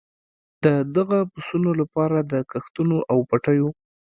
د دغو پسونو لپاره د کښتونو او پټیو.